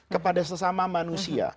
kepada sesama manusia